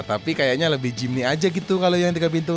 tapi kayaknya lebih jimmy aja gitu kalau yang tiga pintu